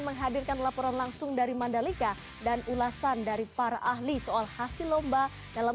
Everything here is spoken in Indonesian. menghadirkan laporan langsung dari mandalika dan ulasan dari para ahli soal hasil lomba dalam